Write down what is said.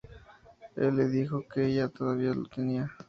Él le dijo que ella todavía lo tenía.